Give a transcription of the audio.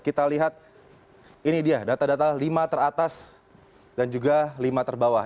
kita lihat ini dia data data lima teratas dan juga lima terbawah